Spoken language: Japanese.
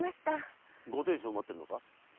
ご亭主を待っているのか？